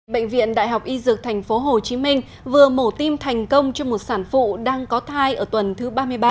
bệnh viện đại học y dược tp hcm vừa mổ tim thành công cho một sản phụ đang có thai ở tuần thứ ba mươi ba